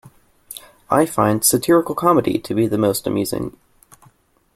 I find satirical comedy to be the most amusing.